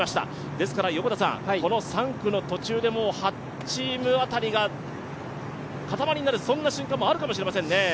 ですからこの３区の途中で８チーム辺りが固まりになる瞬間もあるかもしれませんね。